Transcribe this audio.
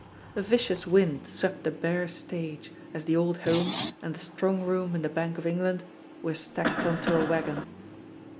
A vicious wind swept the bare stage as "The Old Home" and "The Strong Room in the Bank of England" were stacked on to a wagon.